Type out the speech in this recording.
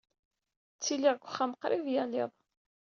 Ttiliɣ deg uxxam qrib yal iḍ.